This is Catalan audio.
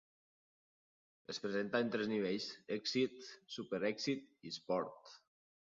Es presenta en tres nivells: Exceed, Super Exceed i Sport.